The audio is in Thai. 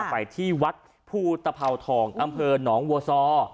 ไปที่วัดภูตภาวทองอำเภอหนองวัวซอ